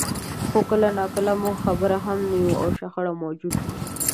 خو کله ناکله موږ خبر هم نه یو او شخړه موجوده وي.